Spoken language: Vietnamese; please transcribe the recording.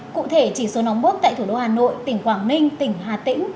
cụ thể chỉ số nóng bút tại thủ đô hà nội tỉnh quảng ninh tỉnh hà tĩnh